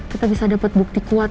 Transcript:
kita bisa dapat bukti kuat